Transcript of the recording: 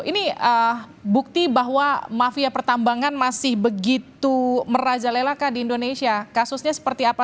ini bukti bahwa mafia pertambangan masih begitu merajalela kah di indonesia kasusnya seperti apa